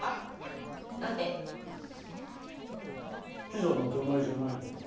ピザの出前じゃないのか？